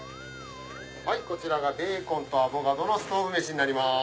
こちらがベーコンとアボカドのストウブ飯になります。